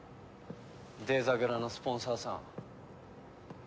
デザグラのスポンサーさん。